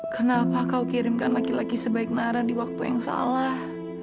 kenapa kau kirimkan laki laki sebaik nara di waktu yang salah